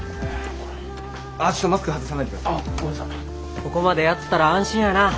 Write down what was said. ここまでやったら安心やな。